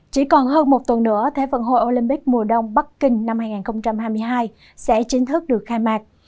chỉ còn hơn một tuần nữa thế vận hội olympic mùa đông bắc kinh năm hai nghìn hai mươi hai sẽ chính thức được khai mạc